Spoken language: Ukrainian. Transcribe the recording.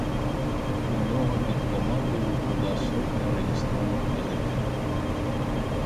У нього під командою була сотня реєстрових козаків.